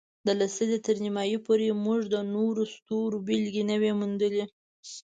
د لسیزې تر نیمایي پورې، موږ د نورو ستورو بېلګې نه وې موندلې.